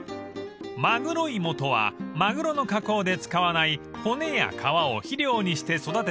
［まぐろいもとはマグロの加工で使わない骨や皮を肥料にして育てたサツマイモ］